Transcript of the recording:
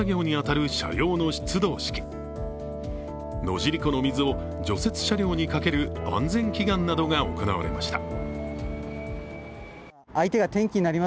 野尻湖の水を除雪車両にかける安全祈願などが行われました。